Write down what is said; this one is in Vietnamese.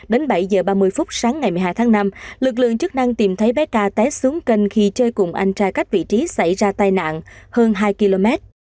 đến bảy h ba mươi phút sáng ngày một mươi hai tháng năm lực lượng chức năng tìm thấy bé tra té xuống kênh khi chơi cùng anh trai cách vị trí xảy ra tai nạn hơn hai km